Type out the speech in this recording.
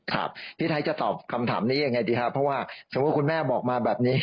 ครับพี่ไทยจะตอบคำถามนี้ยังไงดีครับเพราะว่าสมมุติคุณแม่บอกมาแบบนี้